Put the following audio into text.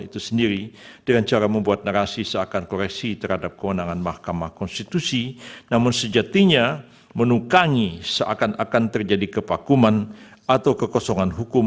terima kasih terima kasih